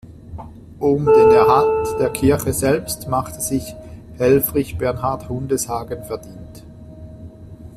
Um den Erhalt der Kirche selbst machte sich Helfrich Bernhard Hundeshagen verdient.